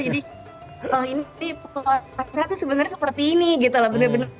jadi kalau ini puasa tuh sebenarnya seperti ini gitu loh